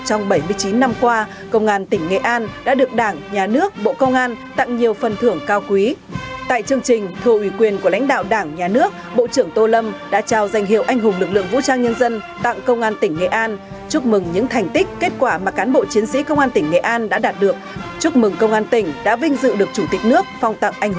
chúc mừng công an tỉnh đã vinh dự được chủ tịch nước phong tặng anh hùng lực lượng vũ trang nhân dân